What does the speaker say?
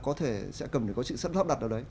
có thể sẽ cầm để có sự sắp lắp đặt ở đấy